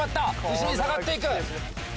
後ろに下がっていく。